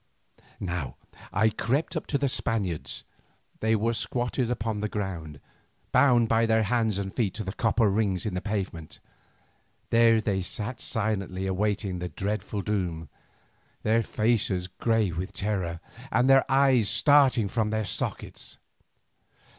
Now I crept up to the Spaniards. They were squatted upon the ground, bound by their hands and feet to the copper rings in the pavement. There they sat silently awaiting the dreadful doom, their faces grey with terror, and their eyes starting from their sockets.